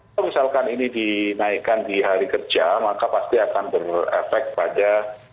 kalau misalkan ini dinaikkan di hari kerja maka pasti akan berefek pada